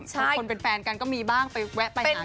คนเป็นแฟนกันก็มีบ้างไปแวะไปหากัน